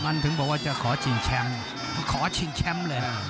มันถึงบอกว่าจะขอชิงแชมป์